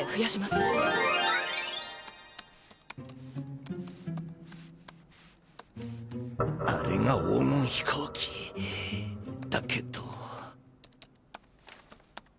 心の声あれが黄金飛行機！だけど。